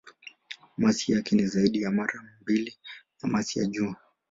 Masi yake ni zaidi ya mara mbili ya masi ya Jua.